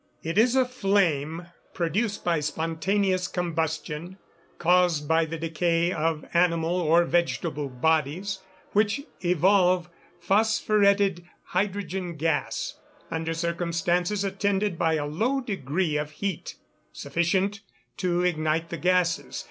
_ It is a flame produced by spontaneous combustion, caused by the decay of animal or vegetable bodies, which evolve phosphoretted hydrogen gas, under circumstances attended by a low degree of heat, sufficient to ignite the gases.